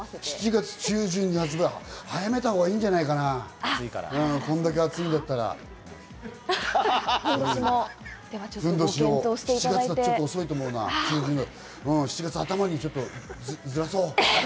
７月中旬って早めたほうがいいんじゃないかな、こんだけ暑いんだったらふんどしも７月中旬だとちょっと遅いと思うな、７月頭にずらそう。